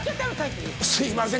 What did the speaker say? すいません